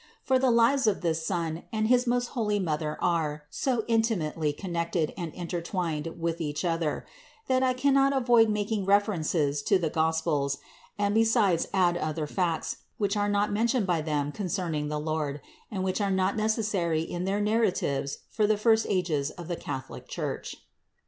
For the lives of this Son and his most holy Mother are so intimately connected and intertwined with each other, that I cannot avoid making references to the Gospels and besides add other facts, which are not mentioned by them concerning the Lord and which were not necessary in their narratives for the first ages of the Catholic Church.